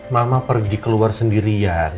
mama pergi keluar sendirian